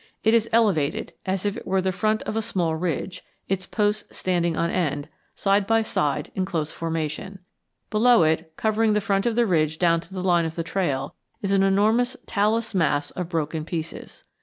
It is elevated, as if it were the front of a small ridge, its posts standing on end, side by side, in close formation. Below it, covering the front of the ridge down to the line of the trail, is an enormous talus mass of broken pieces.